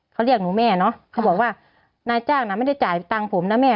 เขาเรียกหนูแม่เนอะเขาบอกว่านายจ้างน่ะไม่ได้จ่ายตังค์ผมนะแม่